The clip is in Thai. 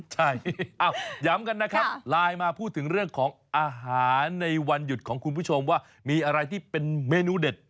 ใช่ย้ำกันนะครับไลน์มาพูดถึงเรื่องของอาหารในวันหยุดของคุณผู้ชมว่ามีอะไรที่เป็นเมนูเด็ด